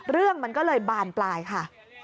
เรื่องมันก็เลยบานปลายค่ะ